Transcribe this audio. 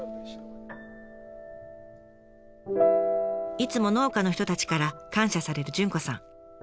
いつも農家の人たちから感謝される潤子さん。